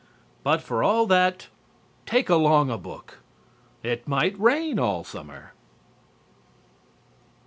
But for all that, "take along a book." It might rain all summer.